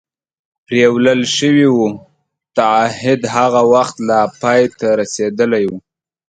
پرېولل شوي و، تعهد هغه وخت لا پای ته رسېدلی و.